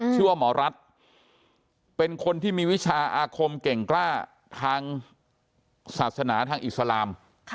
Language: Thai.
ชื่อว่าหมอรัฐเป็นคนที่มีวิชาอาคมเก่งกล้าทางศาสนาทางอิสลาม